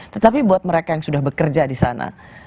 tetapi buat mereka yang sudah bekerja di sana